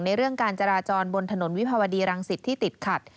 เรื่องการจราจรบนถนนวิภาวดีรังสิตที่ติดขัด